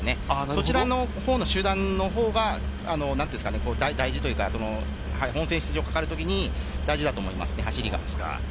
そちらの方の集団の方が大事というか、本選出場がかかるときに大事だと思います、走りが。